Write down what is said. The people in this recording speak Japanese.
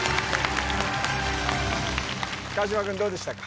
川島君どうでしたか？